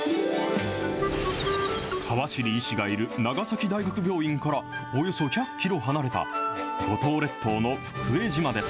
川尻医師がいる長崎大学病院からおよそ１００キロ離れた、五島列島の福江島です。